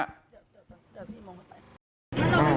กังวลอะไรไหมพี่